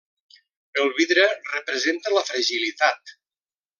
El vidre representa la fragilitat.